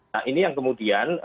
nah ini yang kemudian